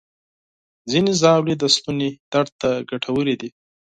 ځینې ژاولې د ستوني درد ته ګټورې دي.